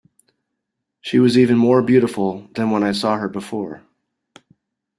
She was even more beautiful than when I saw her, before.